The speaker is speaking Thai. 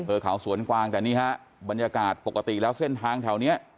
เขาสวนกวางแต่นี่ฮะบรรยากาศปกติแล้วเส้นทางแถวเนี้ย